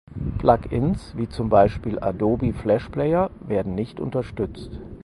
Plugins (wie zum Beispiel Adobe Flash Player) werden nicht unterstützt.